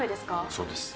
そうです。